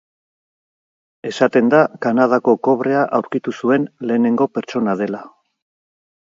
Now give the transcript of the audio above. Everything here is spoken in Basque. Esaten da Kanadako kobrea aurkitu zuen lehenengo pertsona dela.